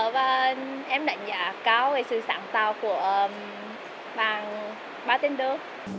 và em đánh giá cao về sự sáng tạo của bạn martinder